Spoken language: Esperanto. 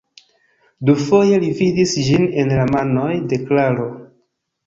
Dufoje li vidis ĝin en la manoj de Klaro.